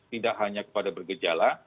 tidak hanya kepada bergejala